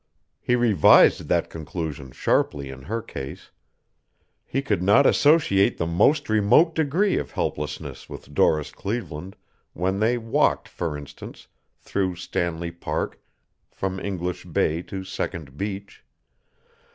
He revised that conclusion sharply in her case. He could not associate the most remote degree of helplessness with Doris Cleveland when they walked, for instance, through Stanley Park from English Bay to Second Beach.